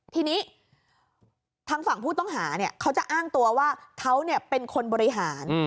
ทีนี้ทางฝั่งผู้ต้องหาเขาจะอ้างตัวว่าเขาเป็นคนบริหาร